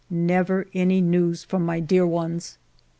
Never any news from my dear ones.